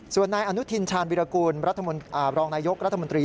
ส่วนนายอนุทินชาญวิรากูลรองนายกรัฐมนตรี